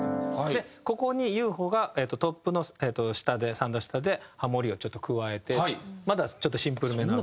でここに悠歩がトップの下で３度下でハモりをちょっと加えてまだちょっとシンプルめな。